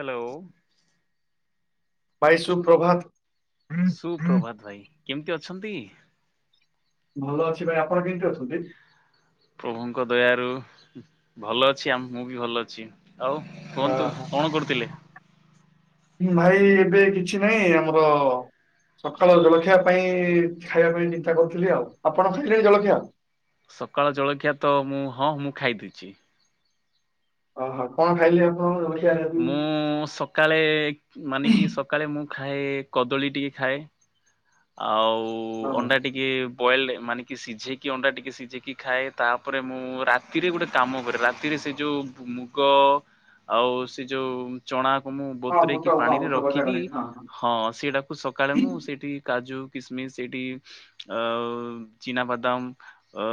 Hello! ଭାଇ ସୁପ୍ରଭାତ! ସୁପ୍ରଭାତ ଭାଇ, କେମିତି ଅଛନ୍ତି? ଭଲ ଅଛି ଭାଇ, ଆପଣ କେମିତି ଅଛନ୍ତି? ପ୍ରଭୁଙ୍କ ଦୟାରୁ ଭଲ ଅଛି, ଆ ମୁଁ ବି ଭଲ ଅଛି। ଆଉ କୁହନ୍ତୁ ଆହା। କଣ କରୁଥିଲେ? ଭାଇ ଏବେ କିଛି ନହିଁ ଆମର ସକାଳ ଜଳଖିଆ ପାଇଁ ଖାଇବା ପାଇଁ ଚିନ୍ତା କରୁଥିଲି ଆଉ, ଆପଣ ଖାଇଲେଣି ଜଳଖିଆ? ସକାଳ ଜଳଖିଆ ତ ମୁଁ ହଁ ମୁଁ ଖାଇଦେଇଛି। ଓଃ ହଁ, କଣ ଖାଇଲେ ଆପଣ? ଜଳଖିଆ ଆଜି ମୁଁ ସକାଳେ ମାନେ କି ସକାଳେ ମୁଁ ଖାଏ କଦଳୀ ଟିକେ ଖାଏ। ଆଉ ହଁ ଅଣ୍ଡା ଟି ଟିକେଏ ବଏଲ୍ ମାନେ କି ସିଝେଇକି ଅଣ୍ଡା ଟିକେ ସିଝେଇକି ଖାଏ ତାପରେ ମୁଁ ରାତିରେ ଗୋଟେ କାମ କରେ ରାତିରେ ସେ ଯୋଉ ମୁଗ ଆଉ ସେ ଯୋଉ ଚଣାକୁ ମୁଁ ହଁ ବତୁ ହଁ ବୁଟ ମରେଇକି ହଁ ପାଣିରେ ବୁଟ ଭଜା ରଖିକି କଲି ହଁ ସେଟାକୁ ସକାଳେ ମୁଁ ସେଇଠି କାଜୁ କିସମିସ ସେଇଠି ଅ ଚିନାବାଦାମ ଅ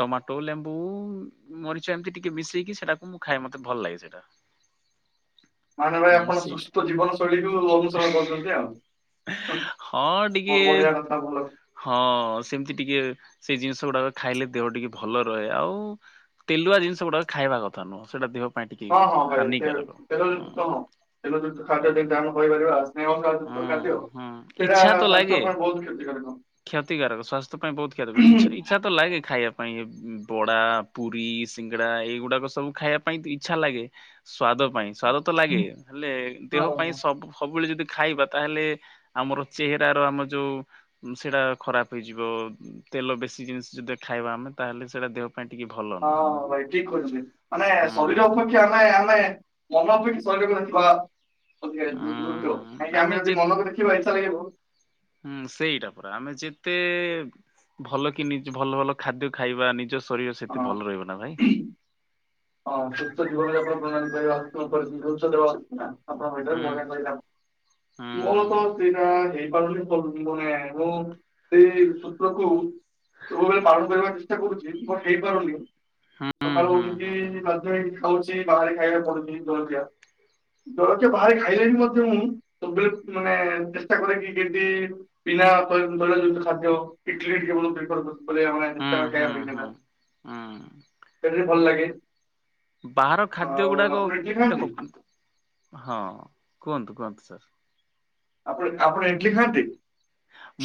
ଟମାଟୋ ଲେମ୍ବୁ ମରିଚ ଏମିତି ଟିକେ ମିଶେଇକି ସେଟାକୁ ମୁଁ ଖାଏ ମତେ ଭଲ ଲାଗେ ସେଇଟା। [unintelligible] ମାନେ ଭାଇ ହୁଁ ଆପଣ ସେଇଟା ସୁସ୍ଥ ଜୀବନ ଶୈଳୀକୁ ଅନୁସରଣ କରୁଛନ୍ତି ଆଉ ହଁ ଟିକେ ବ- ବଢିଆ କଥା ଭଲ ହଁ ସେମିତି ଟିକେ ସେଇ ଜିନିଷ ଗୁଡାକ ଖାଇଲେ ଦେହ ଟିକେ ଭଲ ରହେ ଆଉ? ତେଲୁଆ ଜିନଷ ଗୁଡ଼ାକ ଖାଇବା କଥାୁହଁ ସେଇଟା ଦେହ ପାଇଁ ଟିକେ ହଁ ହଁ ଭାଇ ତେଲ ହାନିକାରକ। ହଁ ତେଲ ଯୁକ୍ତ ହଁ ଖାଦ୍ୟ ଟିକେ ଡାଉନ୍ କହିପାରିବା। ହଁ ଯୁକ୍ତ ଖାଦ୍ୟ ହଁ ସେଟା ଇଚ୍ଛା ତ ସ୍ୱାସ୍ଥ୍ୟ ଲାଗେ ପାଇଁ ବହୁତ କ୍ଷତିକାରକ। କ୍ଷତିକାରକ ସ୍ୱାସ୍ଥ୍ୟ ପାଇଁ ବହୁତ ତିଛ ଇଚ୍ଛା ଲାଗେ ଖାଇବା। ପାଇଁ ବଡା ପୁରୀ ସିଙ୍ଗଡା ଏଇଗୁଡାକ ସବୁ ଖାଇବା ପାଇଁ ଇଚ୍ଛା ଲାଗେ। ସ୍ଵାଦ ପାଇଁ ସ୍ଵାଦ ତ ଲାଗେ ହେଲେ ଦେହ ହଁ ପାଇଁ ସବୁ ସବୁବେଳେ ଯଦି ଖାଇବା ତାହେଲେ ଆମର ଚେହେଚାର ଆମ ଯୋଉ ସେଇଟା ଖରାପ ହେଇଯିବ ତେଲ ବେଶି ଜିନିଷ ଯଦି ଖାଇବା ଆମେ ତାହେଲେ ସେଇଟା ଦେହ ପାଟିକି ଭଲ। ହଁ ନୁହଁ ମୁଁ ଭାଇ ଠିକ କହିଛନ୍ତି ମାନେ ହୁଁ ଶରୀର ଅପେକ୍ଷା ନାଇଁ ନାଇଁ ମାନେ ବି ଶୈରକୁ ନଥିଲା। ଅଧିକ ଦ୍ରୁତ ଉଁ କାହିଁକି ଆମେ ଯେ ଯଦି ମନକୁ ଦେଖିବା ଇଚ୍ଛା ଲାଗିବ। ହୁଁ ସେଇଟା ପରା ଆମେ ଯେତେ ଭଲ କି ନିଜ ଭଲ ଭଲ ଖାଦ୍ୟ ଖାଇବା ନିଜ ଶରୀର ସେତେ ହଁ ଭଲ ରହିବ ନା ଭାଇ। ହଁ ସୁସ୍ଥ ଜୀବନ ଯାପନ ପ୍ରଣାଳୀ କରିବା ଜୀବନ [inaudible] ଆପଣଙ୍କ ଭଟରେ ହୁଁ। ମନେ କହିଲ ହୁଁ ମୋର ତ ଦଟ ହେଇ ମ ମୁଁ ସେଇ ସୂତ୍ରକୁ ସବୁବେଳେ ପାଳନ କରିବାକୁ ଚେଷ୍ଟା କରୁଛି ବର ହେଇପାରୁନି ହୁଁ ହୁଁ ସକାଳଉଠିକି ବାଧ୍ୟ ହେଇ ଖାଉଛି ବାହାରେ ଖାଇବାକୁ ପଡୁଛିି ଜଳଖିଆ ଜଳଖିଆ ବାହାରେ ଖାଇଲେ ମଧ୍ୟ ମୁଁ ସବୁବେଳେ ମାନେ ଚେଷ୍ଟା କରେ କି କେମତି ହୁଁ ହୁଁ ହୁଁ ହୁଁ। [inaudible] ହୁଁ। ସେଟି ଭଲ ଲାଗେ? ବାହାର ଖାଦ୍ୟ ଆଉ ଗୁଡ଼ାକ ଆପଣ ଇଟଲି ଖାଆନ୍ତି? ଦେଖ ହଁ କୁହନ୍ତୁ କୁହନ୍ତୁ ସାର୍? ଆପଣ ଆପଣ ଇଡଲି ଖାଆନ୍ତି?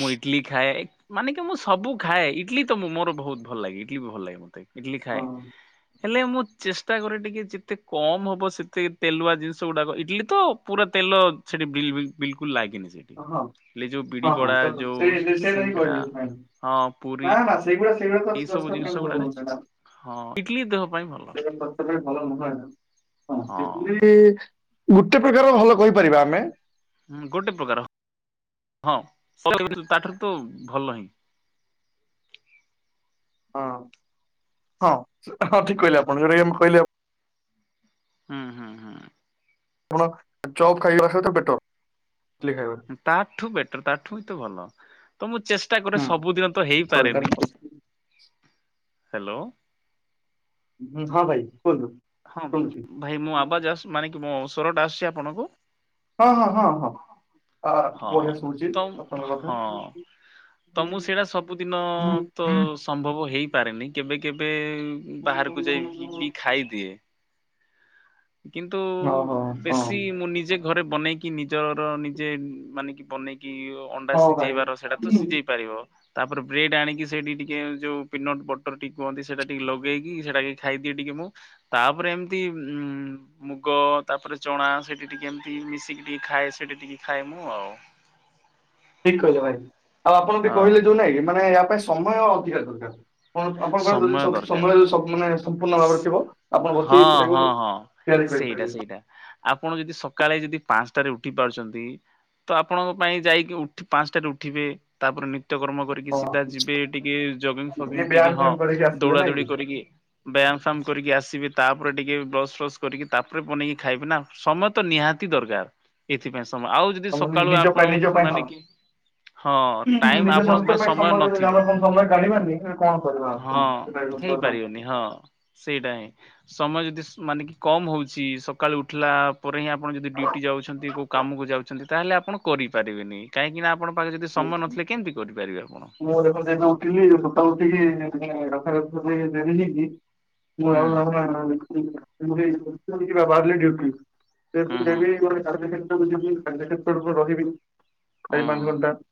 ମୁଁ ଇଟଲି ଖାଏ। ମାନେ କି ମୁଁ ସବୁ ଖାଏ ଇଟଲି ତ ମୋର ବହୁତ ଭଲ ଲାଗେ ଇଡଲିି ବି ଭଲ ଲାଗେ ମତେ ଇଟଲି ହଁ ଖାଏ। ହେଲେ ମୁଁ ଚେଷ୍ଟା କରେ ଟିକେ ଯେତେ କମ ହବ ସେତେ ତେଲୁଆ ଜିନିଷ ଗୁଡାକ ଇଟିଲି ତ ପୁରା ତେଲ ସେଠି ବିଲକୁଲ ଲାଗେନି ସେଠି। ହଁ ହେଲେ ଯୋଉ ବିଡି ହଁ ହଁ ବଡା ଯୋଉ ସେ ସେଇଟା ହିଁ ସିଙ୍ଗଡା କହି ହଁ ପୁରୀ ସେଇ ସେ ତ ଏଇ କଷ୍ଟ ସବୁ ଜିନିଷ ପାଇଁ ହ ଗୁଡାକ ସୋ ହଁ ଇଟଲି ଦେହ ପାଇଁ ଭଲ ହଁ। ସେ ଗୋଟେ ପ୍ରକାର ଭଲ କହିପାରିବା ଆମେ? ହଁ ଗୋଟେ ପ୍ରକାର ହଁ ତାଠାରୁ ତ ଭଲ ହିଁ ହଁ ହଁ ହଁ ଠିକ କହିଲେ ଆପଣ [inaudible] କହିଲେ? ହୁଁ ହୁଁ ହୁଁ। ଆପଣ ଚପ୍ ଖାଇବା ସହିତ ପେଟ୍ ତାଠୁ ବେଟର ତା ଠୁ ହ ତ ଭଲ। ତ ମୁଁ ଚେଷ୍ଟା କରେ ହୁଁ ସବୁଦିନ ତ ସରି ହେଇପାରେନି ତାର ହ୍ୟାଲୋ। ହଁ ଭାଇ କୁହନ୍ତୁ? ହଁ ଶୁଣୁଛି ଭାଇ ମୋ ଆବାଜ ମାନେ କି ମୋ ସ୍ଵରଟା ଆସୁଛି ଆପଣଙ୍କୁ ହଁ ହଁ ହଁ ହଁ ଆ ବଢିଆ ଶୁଭୁଛି ଆପଣଙ୍କ କଥା। [inaudible] ତମୁ କୁ ସେଇଟା ସବୁଦିନ ତ ସମ୍ଭବ ହେଇପାରେନି, କେବେ କେବେ ବାହାର୍ କୁ ଯାଇକି ବି ଖାଇଦିଏ। କିନ୍ତୁ, ଓହୋ ହଁ ବେଶୀ ମୁଁ ନିଜେ ଘରେ ବନେଇକି, ନିଜର ନିଜେ ମାନେ କି ବନେକି ଅଣ୍ଡା ହଁ ଭାଇ ସିଜେଇବାର, ସେଟା ତ ହୁଁ, ସିଜେଇ ପାରିବ। ତା'ପରେ ବ୍ରେଡ୍‌ ଆଣିକି ସେଇଟି ଟିକେ ଯଉ ପିନଟ୍ ବଟର୍ ଟିକେ କୁହନ୍ତି, ସେଇଟା ଟିକେ ଲଗେଇକି ସେଇଟାକେ ଖାଇଦିଏ ଟିକେ ମୁଁ। ତା'ପରେ ଏମ୍ତି ମୁଗ ତା'ପରେ ଚଣା ସେଟି ଟିକେ ଏମ୍‌ତି ମିଶିକି ଟିକେ ଖାଏ, ସେଟି ଟିକେ ଖାଏ ମୁଁ ଆଉ। ଠିକ୍ କହିଲେ ଭାଇ, ଆଉ ଆପଣ ବି କହିଲେ ହଁ ଯଉ ନାଇଁ କି ମାନେ ୟା ପାଇଁ ସମୟ ଅଧିକା ଦରକାର୍। ଆପଣଙ୍କ ଯଦି ସମୟ ଦରକାର। ସମୟ-----ମାନେ ସମ୍ପୂର୍ଣ୍ଣ ଭାବରେ ର ଥିବ। ଆପଣ ବସିକି ହଁ ସେଟାକୁ ହଁ ହଁ ସେଇଟା [inaudible] ସେଇଟା ଆପଣ ଯଦି ସକାଳେ ଯଦି ପାନ୍‌ଷ୍ଟା ରେ ଉଠି ପାରୁଚନ୍ତି। ତ ଆପଣଙ୍କ ପାଇଁ ଯାଇକି ପାନ୍‌ଷ୍ଟା ରେ ଉଠିବେ। ତା'ପରେ ନିତ୍ୟ କର୍ମ ହଁ ସିଦା ଯିବେ, ଟିକେ ଜଗିଙ୍ଗ୍ ଏ ଫଗିଙ୍ଗ୍ ଟିକେ ବ୍ୟାୟାମ ହଁ ଫ୍ୟାମ କରିକି ଆସିବେ ଦୌଡ଼ା ନାଇଁ ଦୌଡ଼ି କି? କରିକି। ବ୍ୟାୟାମ୍ ଫ୍ୟାମ୍ କରିକି ଆସିବେ, ତା'ପରେ ଟିକେ ବ୍ରସ୍ ଫ୍ରସ୍ କରିକି ତା'ପରେ ବନେଇକି ଖାଇବି ନା। ସମୟ ତ ନିହାତି ଦରକାର୍, ଏଥିପାଇଁ ସମୟ ଆଉ ଯଦି ତମ ନି- ସକାଳୁ ନିଜ ପାଇଁ ଆପଣ ନିଜ ପାଇଁ ହଁ। ଉ ହଁ, ହୁଁ ଟାଇମ୍ ନିଜ ସ୍ୱାସ୍ଥ୍ୟ ଆପଣଙ୍କ ପାଇଁ ସମୟ ଯଦି ଆମେ ନଥିବ। କଣ ସମୟ କାଢିବାନି ତେବେ କଣ କରିବା ଆକ୍ଚୁଆଲି ହଁ, ସେଟା ବି ସତ ହେଇ କଥା। ପାରିବନି ହଁ। ସେଇଟା ହିଁ, ସମୟ ଯଦି ମାନେ କି କମ୍ ହଉଚି। ସକାଳୁ ଉଠିଲା ପରେ ହିଁ ଆପଣ ଯଦି ଡ୍ୟୁଟି ଯାଉଛନ୍ତି, କଉ କାମକୁ ଯାଉଛନ୍ତି, ତା'ହେଲେ ଆପଣ କରିପାରିବେନି। କାହିଁକି ନା ଆପଣ ପାଖରେ ଯଦି ସମୟ ନଥିଲେ, କେମ୍ତି କରିପାରିବେ ଆପଣ? [inaudible] ହୁଁ [inaudible] ହୁଁ ହୁଁ [inaudible] ହୁଁ [inaudible]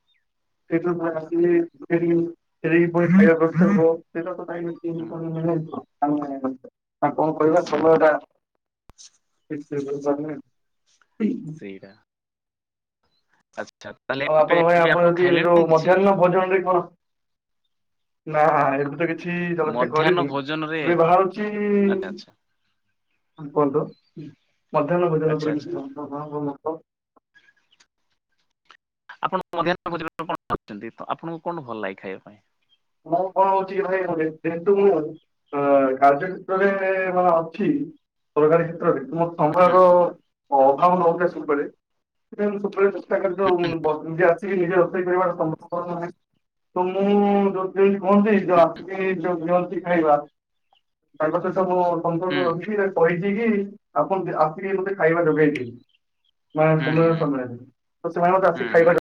[unintelligible] ହୁଁ [inaudible] [inaudible] ସେଇଟା। [inaudible] ଆଉ ଏବେ ଆପଣ ଏବେ ଆପଣ ଯଦି ଯଉ ଖାଇଲେଣି କିଛି ମଧ୍ୟାହ୍ନ ଭୋଜନ ରେ କ ନା ଏବେ ତ କିଛି ଜଳଖିଆ ମଧ୍ୟାହ୍ନ କରିନି, ଭୋଜନରେ ଏବେ ବାହାରୁଚି ଆଚ୍ଛା ଆଚ୍ଛା ଆଚ୍ଛା ଆଚ୍ଛା [inaudible] [inaudible] [inaudible] [inaudible] କାର୍ଯ୍ୟ କ୍ଷେତ୍ରରେ ହଁ ଅଛି। [inaudible] [inaudible] [inaudible] ହୁଁ [inaudible] ହୁଁ ହୁଁ ହୁଁ ହୁଁ ହୁଁ [inaudible]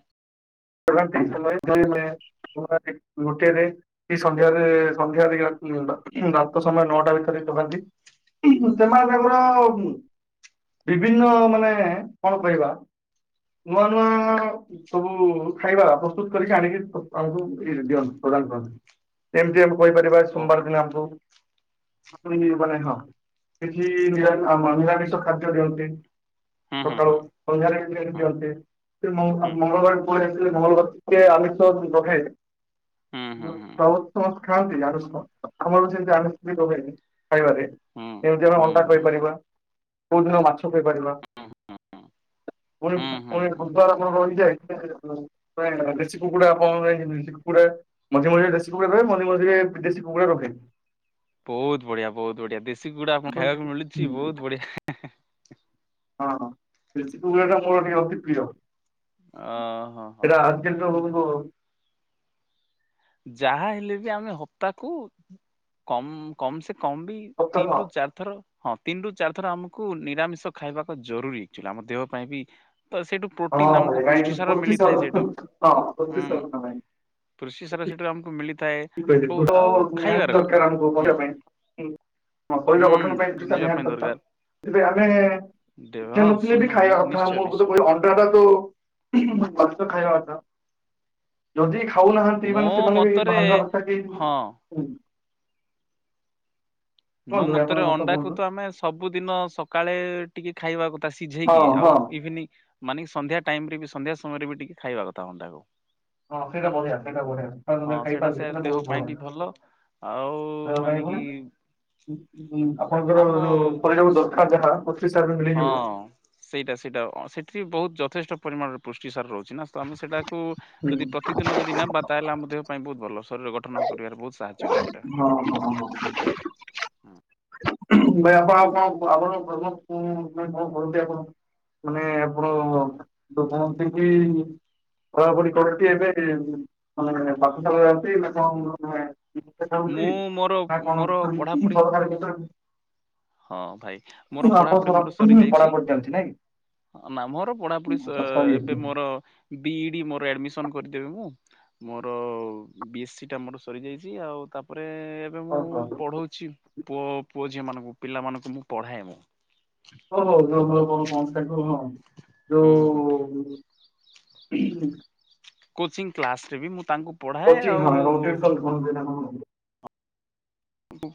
[inaudible] [inaudible] [inaudible] ବିଭିନ୍ନ ମାନେ, କ'ଣ କହିବା? [inaudible] [inaudible] ଏମ୍ତି ଆମେ କଇ ପାରିବା, ସୋମବାର୍ ଓହୋ ଦିନ ଆମ୍ ମାନେ ହଁ କିଛି ନିରାମିଷ ଖାଦ୍ୟ ଦିଅନ୍ତି। ହୁଁ ହୁଁ ସକାଳୁ ହୁଁ ସନ୍ଧ୍ୟାରେ ହୁଁ ଦିଅନ୍ତି ମ ହୁଁ। ମଙ୍ଗଳବାର ପରେ ମଙ୍ଗଳବାର ଟିକେ ହୁଁ ହୁଁ ଆମିଷ [unintelligible] ସମସ୍ତେ ଖାଆନ୍ତି ଆଇଁଷ ଆମର ଯେମିତି ଆଇଁଷ ହୁଏନି ଖାଇବାରେ ହୁଁ ଏମିତି ଆମେ ହୁଁ ଅଣ୍ଡା ହୁଁ ହୁଁ କରିପାରିବା କୋଉ ଦିନ ମାଛ କରିପାରିବା ହୁଁ ହୁଁ ହୁଁ। ପୁଣି ହୁଁ ହୁଁ ପୁଣି ହୁଁ ବୁଧବାର ଆପଣଙ୍କର ରହିଯାଏ ଦେଶି କୁକୁଡ଼ା ଆପଣଙ୍କର ଦେଶୀ କୁକୁଡ଼ା ମଝିରେ ମଝିରେ ଦେଶୀ କୁକୁଡ଼ା ରହେ ମଝିରେ ମଝିରେ ବିଦେଶୀ କୁକୁଡ଼ା ରହେ। ବହୁତ ବଢିଆ ବହୁତ ବଢିଆ। ଦେଶୀ କୁକୁଡା ଆପଣଙ୍କୁ ହଁ ଖାଇବାକୁ ମିଳୁଛି ବହୁତ ବଢିଆ। ହଁ ହଁ ଦେଶୀ କୁକୁଡା ଟା ମୋର ଟିକେ ଅତି ପ୍ରିୟ। ଅ ହଁ ହଁ ଏଟା ହଁ। [unintelligible] ଯାହା ହେଲେ ବି ଆମେ ହପ୍ତାକୁ କମ କମ ସେ କମ ବି ତିନ୍ ସପ୍ତାହ ରୁ ଚାରି ଥର ହଁ ତିନି ରୁ ଚାରି ଥର ଆମକୁ ନିରାମିଷ ଖାଇବାକ ଜରୁରୀ, ଆକ୍ଚୁଆଲି ଆମ ଦେହ ପାଇଁ ବି ତ ସେଇଠୁ ହଁ ପ୍ରୋଟିନ ଭାଇ ଆମକୁ ଭାଇ ପୃଷ୍ଟି ସାର ପୋତି ମିଳିଥାଏ ସବ ସେଇଠୁ ହଁ ପୋତି ହୁଁ। ସବ ଭାଇ। ପୃଷ୍ଟିସାର ସେଟୁ ଆମକୁ ମିଳି [unintelligible] ନିହାତି ଦରକାର ଆମକୁ ହୁଁ। ଗଢ଼ିବା ପାଇଁ। ଆମ ଶରୀର ହୁଁ ଗଠନ ପାଇଁ ସେଟା ଗୁଞ୍ଜିବା ନିହାତି ପାଇଁ ଦରକାର। ଏବେ ଆମେ ଦେ ହଁ ଖେଲୁଥିଲେ ଶୁନ ବି ଖାଇବା କଥା ନିଶ୍ଚୟ ମୋ ନିଶ୍ଚୟ କ ଅଣ୍ଡା ଟା ତ ମାଂସ ଖାଇବା କଥା। ଯଦି ଖାଉନାହାନ୍ତି ମୋ ମାନେ ସେମାନେ ବି ମତରେ ଭାବିବା କଥା କି? ହଁ ମୋ କୁହନ୍ତୁ ଭାଇ ମତରେ ଆପଣଙ୍କ ମତ ଅଣ୍ଡାକୁ କୁହନ୍ତୁ। ତ ଆମେ ସବୁଦିନ ସକାଳେ ଟିକେ ଖାଇବା କଥା ହଁ ସିଝେଇକି। ହଁ ଆଉ ଇଭିନିଂ ମାନେ କି ସନ୍ଧ୍ୟା ଟାଇମ ରେ ବି ସନ୍ଧ୍ୟା ସମୟରେ ବି ଟିକେ ଖାଇବା କଥା ଅଣ୍ଡାକୁ। ହଁ ସେଟା ବଢିଆ ସେଟା ବଢିଆ। ଅଣ୍ଡା ହଁ ସେ ଖାଇପାରିଲେ ସେଇଟା ଦେହ ବହୁତ ପାଇଁ ଭଲ। ବି ଆଉ ଦେହ ପାଇଁ ମାନେ ଭଲ। କି ଆପଣଙ୍କର ଆମ ଯୋଉ ଶରୀର କୁ ଦରକାର ଯାହା ପୋଷ୍ଟିସାର ହଁ ମିଳିଯିବ। ସେଇଟା ସେଇଟା ଅ ସେଠି ବି ବହୁତ ଯଥେଷ୍ଟ ପରିମାଣର ପୁଷ୍ଟିସାର ରହୁଛି ନା ତ ଆମେ ସେଇଟା କୁ ହୁଁ ଯଦି ପ୍ରତିଦିନ ଯଦି ନେବା ତାହେଲେ ଆମ ଦେହ ପାଇଁ ବହୁତ ଭଲ। ଶରୀର ଗଠନ କରିବାରେ ବହୁତ ସାହାଯ୍ୟ କରେ ସେଇଟା। ହଁ ହଁ ହଁ। ଭାଇ ଆପଣ ଆଉ ହୁଁ। କ କଣ ଆପଣ କ କଣ କରନ୍ତି ଆପଣ? ମାନେ ଆପଣ ଯୋଉ କହନ୍ତି କି ପଢା ପଢି [unintelligible] କଣ ହେଉଛି ନା ମୁଁ ମୋର କଣ ମୋର ପଢାପଢି ସରକାର କଥା ହଁ ଭାଇ ମୋର ଆପଣଙ୍କର ପଢାପଢି ମୋର ସରି ଯାଇଛି ପଢାପଢି ଚାଲିଛି ନାଇଁ ନା ମୋର ପଢାପଢି ସ କି ସରି ଯାଇଛି ଏବେ ମୋର ବି ଇ ଡି ମୋର ଆଡମିସନ କରିଦେବି ମୁଁ। ମୋର ବି ଏସ୍ ସି ଟା ମୋର ସରିଯାଇଛି, ଆଉ ତାପରେ ଏବେ ମୁଁ ହଉ ପଢ଼ଉଛି ପୁଅ ପୁଅ ଝିଅ ମାନଙ୍କୁ ପିଲାମାନଙ୍କୁ ମୁଁ ପଢ଼ାଏ ମୁଁ। ହଉ ହଉ ଯୋଉ ହୋଊ ହଁ ହୁଁ ହୁଁ ଯୋଉ ହୁ ହୁ [inaudible] କୋଚିଂ କ୍ଲାସ ରେ ବି ମୁଁ ତାଙ୍କୁ ପଢାଏ କୋଚିଂ ହଁ ଆଉ ଏବଂ [unintelligible]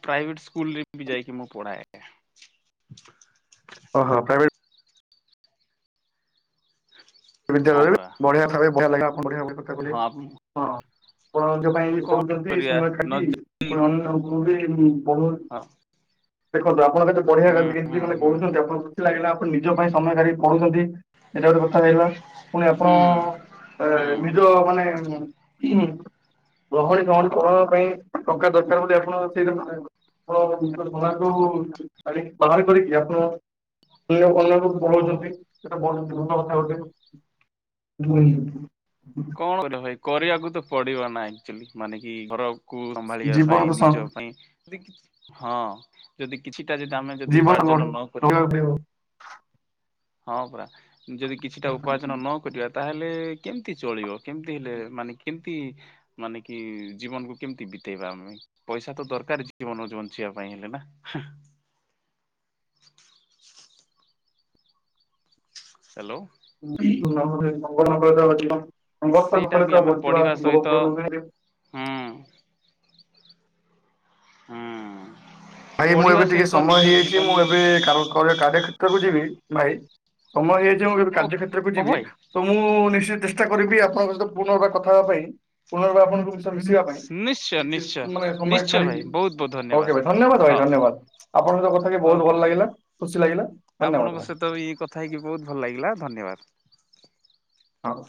ପ୍ରାଇଭେଟ୍ ସ୍କୁଲରେ ବି ଯାଇକି ମୁଁ ପଢ଼ାଏ। ଓହୋ ପ୍ରାଇଭେଟ? ହଁ ବିଦ୍ୟାଳୟରେ ପରା ବଢିଆ ବଢିଆ କଥା କହିଲେ। ହଁ ଆପଣ ନିଜ ପାଇଁ ବି କଣ ପଢୁଛନ୍ତି କରିବା ସମୟ ନ କାଟି ଯଦି ପୁଣି ଅନ୍ୟ କୁ ବି ପଢ ହଁ। ଦେଖନ୍ତୁ ଆପଣ କେତେ ବଢିଆ ହୁଁ କେମିତି ହୁଁ କେମିତି ମା ହୁଁ କହୁଛନ୍ତି ଆପଣଙ୍କୁ ଖୁସି ଲାଗିଲା। ଆପଣ ନିଜ ପାଇଁ ସମୟ କାଢ଼ି ପଢୁଛନ୍ତି ଏଇଟା ଗୋଟେ କଥା ଦେଖିଲ। ପୁଣି ଆପଣ ହୁଁ ଏ ହୁଁ। ନିଜ ମାନେ ରହଣୀ ସହଣୀ ପଢା ପାଇଁ ଟଙ୍କା ଦରକାର ବୋଲି ଆପଣ ସେଇ ଦେଉନାହାନ୍ତି ହ ନିଜ ସମୟକୁ ବା ବାହାର କରିକି ଆପଣ ଅନ୍ୟ ଅନ୍ୟ କୁ ପଢ଼ଉଛନ୍ତି ସେଟା ବଡ ଭଲ କଥା ଗୋଟେ। ହୁଁ। କଣ କରିବା ଭାଇ କରିବାକୁ ତ ପଡିବ ଆକଚୁଲି ମାନିକି ଘର ଆଉ। କୁ ସମ୍ଭାଳିବା ପାଇଁ ଜୀବନକୁ ସ- ନିଜ ପାଉଁ ହଁ ଯଦି କିଛିଟା ଯଦି ଆମେ ଯଦି ଜୀବନ ଉପାର୍ଜନ ଗଢି- ନ କରିବା। ଗଢିବାକୁ ପଡିବ। ହଁ ପା ଯଦି କିଛିଟା ଉପାର୍ଜନ ନ କରିବା ତାହେଲେ କେମତି ଚଳିବ କେମତି ହେଲେ ମାନେ କେମତି ମାନେ କି ଜୀବନକୁ କେମିତି ବିତେଇବା ଆମେ ପଇସା ତ ଦରକାର ଜୀବନ ବଞ୍ଚିବା ପାଇଁ ହେଲେ ନା ହାଲୋ। ବି [unintelligible] ବଞ୍ଚିବା ସେଇଟା ବି ଆମେ ପଢିବା ସମ୍ଭବପୂର୍ଣ ସହିତ ନୁହେଁ। ହୁଁ। ହୁଁ। ଭାଇ ମୁଁ ପଢିବା ଏବେ ଟିକେ ସହିତ ସମୟ ନିଜ ହେଇଯାଇଛି ଜୀବନ ମୁଁ ଏବେ କାର କରେ କରୀୟ କ୍ଷେତ୍ର କୁ ଯିବି ଭାଇ ସମୟ ହେଇଯାଇଛି ମୁଁ ଏବେ କାର୍ଯ୍ୟ ଓକେ କ୍ଷେତ୍ରକୁ ଓହୋ ଯିବି। ଭାଇ ତ ମୁଁ ନିଶ୍ଚିତ ଚେଷ୍ଟା କରିବି ଆପଣଙ୍କ ସହିତ ପୁନର୍ବାର କଥା ହେବା ପାଇଁ ପୁନର୍ବାର ଆପଣଙ୍କୁ ମିଶିବା ପାଇଁ ନିଶ୍ଚୟ ନିଶ୍ଚୟ ମାନେ ସମୟ ନିଶ୍ଚୟ ଭାଇ ଛାଡିକି ବହୁତ ବହୁତ ହଉ କେବେ ଧନ୍ୟବାଦ। ଭାଇ ହଁ ଧନ୍ୟବାଦ ଆପଣଙ୍କ କଥା ହେଇକି ବୋହୁତ ଓକେ ଭଲ ଲାଗିଲା ଖୁସି ଲାଗିଲା ଧନ୍ୟବାଦ ଭାଇ। ତ ଏଇ କ କଥା ହେଇକି ବୋହୁତ ଭଲ ଲାଗିଲା ଧନ୍ୟବାଦ। ହଉ।